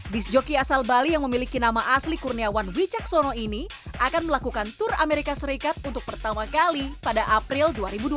bis joki asal bali yang memiliki nama asli kurniawan wicaksono ini akan melakukan tour amerika serikat untuk pertama kali pada april dua ribu dua puluh